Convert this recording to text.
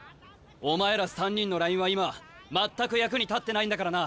お前ら３人のラインは今全く役に立ってないんだからな！